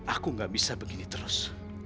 aku gak bisa begini terus